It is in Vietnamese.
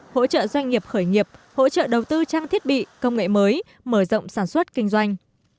hỗ trợ doanh nghiệp khởi nghiệp hỗ trợ đầu tư trang thiết bị công nghệ mới mở rộng sản xuất kinh doanh